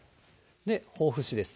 防府市です。